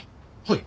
はい。